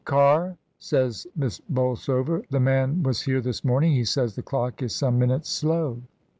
"Car," says Miss Bolsover, "the man was here this morning, he says the clock is some minutes slow."